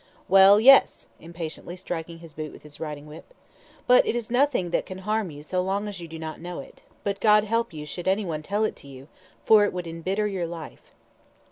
"Well, yes," impatiently striking his boot with his riding whip. "But it is nothing that can harm you so long as you do not know it; but God help you should anyone tell it to you, for it would embitter your life."